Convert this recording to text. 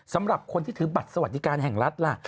สำหรับคนที่ถือบัตรสวัสดิการแห่งรัฐล่ะ